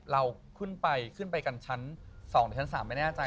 เราขึ้นไปขึ้นไปกันชั้น๒หรือชั้น๓ไม่แน่ใจ